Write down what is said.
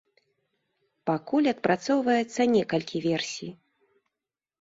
Пакуль адпрацоўваецца некалькі версій.